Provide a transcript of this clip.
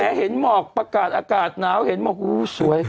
แม้เห็นหมอกประกาศอากาศน้ำเห็นหมอกโอ้สวย